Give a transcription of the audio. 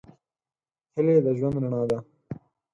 هیلې د ژوند رڼا ده.